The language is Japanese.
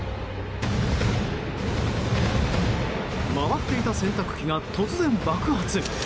回っていた洗濯機が突然、爆発。